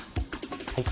はい。